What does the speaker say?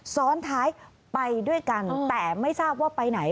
ซ้อนท้ายไปด้วยกันแต่ไม่ทราบว่าไปไหน